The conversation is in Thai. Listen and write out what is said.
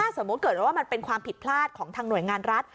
สมมุติเกิดว่ามันเป็นความผิดพลาดของทางหน่วยงานรัฐ